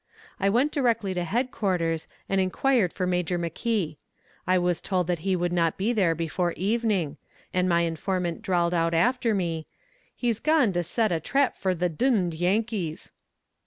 I went directly to headquarters and inquired for Major McKee. I was told that he would not be there before evening, and my informant drawled out after me, "He's gone to set a trap for the d d Yankees."